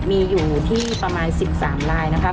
มีอยู่ที่ประมาณ๑๓ลายนะครับ